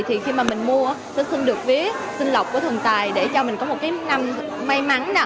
thì khi mà mình mua sẽ xin được vía xin lọc của thần tài để cho mình có một năm may mắn